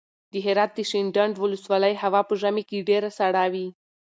د هرات د شینډنډ ولسوالۍ هوا په ژمي کې ډېره سړه وي.